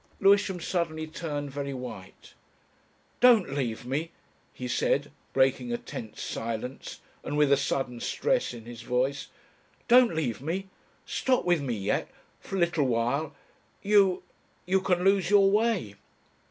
Lewisham suddenly turned very white. "Don't leave me," he said, breaking a tense silence and with a sudden stress in his voice. "Don't leave me. Stop with me yet for a little while.... You ... You can lose your way."